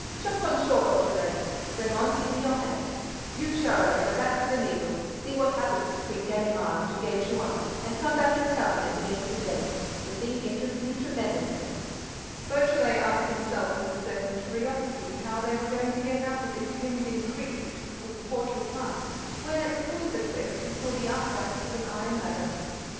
"Jump on shore, Beautrelet—Raymonde, give me your hand. You, Charolais, go back to the Needle, see what happens between Ganimard and Duguay Trouin and come back and tell me at the end of the day. The thing interests me tremendously." Beautrelet asked himself with a certain curiosity how they were going to get out of this hemmed in creek which was called Port Lupin, when, at the foot of the cliff, he saw the uprights of an iron ladder.